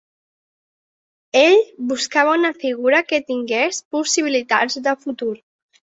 Ell buscava una figura que tingués possibilitats de futur.